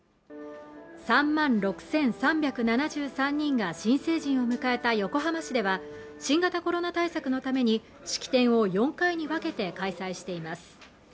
３万６３７３人が新成人を迎えた横浜市では新型コロナ対策のために式典を４回に分けて開催しています